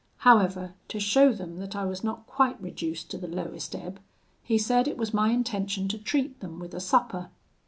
However, to show them that I was not quite reduced to the lowest ebb, he said it was my intention to treat them with a supper.